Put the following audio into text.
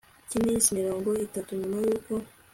cy iminsi mirongo itatu nyuma y uko